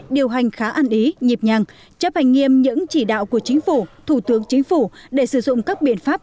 điều hành khá ăn ý nhịp nhàng chấp hành nghiêm những chỉ đạo của chính phủ thủ tướng chính phủ để sử dụng các biện pháp